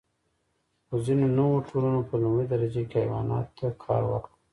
خو ځینو نوو ټولنو په لومړۍ درجه کې حیواناتو ته کار ورکړ.